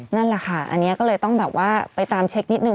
นั่นแหละค่ะอันนี้ก็เลยต้องแบบว่าไปตามเช็คนิดนึ